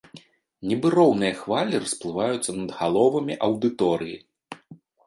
Нібы роўныя хвалі расплываюцца над галовамі аўдыторыі.